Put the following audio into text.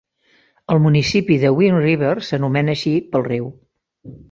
El municipi de Wing River s'anomena així pel riu.